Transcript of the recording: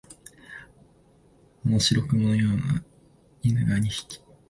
あの白熊のような犬が二匹、